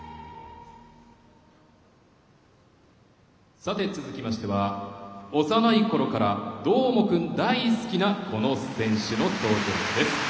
さて続きましては幼いころからどーもくん大好きなこの選手の登場です。